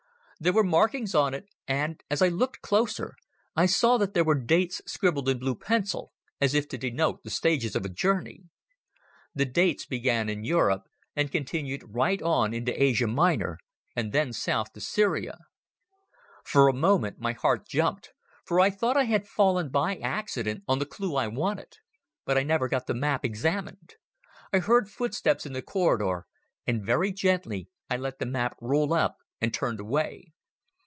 There were markings on it; and, as I looked closer, I saw that there were dates scribbled in blue pencil, as if to denote the stages of a journey. The dates began in Europe, and continued right on into Asia Minor and then south to Syria. For a moment my heart jumped, for I thought I had fallen by accident on the clue I wanted. But I never got that map examined. I heard footsteps in the corridor, and very gently I let the map roll up and turned away.